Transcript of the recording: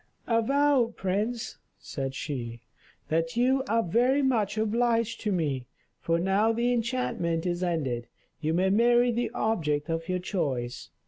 "Avow, prince," said she, "that you are very much obliged to me, for now the enchantment is ended. You may marry the object of your choice.